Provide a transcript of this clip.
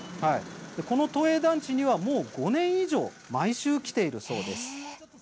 この都営団地もう５年以上毎週来ているそうです。